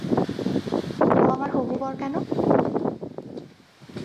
ও আমার হবু বর কেন?